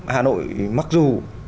hà nội mặc dù